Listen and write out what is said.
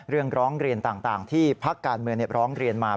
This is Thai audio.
ร้องเรียนต่างที่พักการเมืองร้องเรียนมา